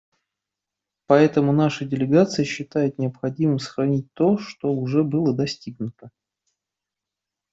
Поэтому наша делегация считает необходимым сохранить то, что уже было достигнуто.